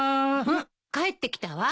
んっ帰ってきたわ。